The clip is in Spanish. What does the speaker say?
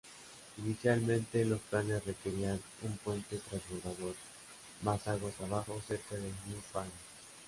Inicialmente, los planes requerían un puente transbordador más aguas abajo, cerca de New Farm.